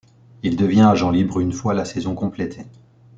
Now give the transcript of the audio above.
Il devient agent libre une fois la saison complétée.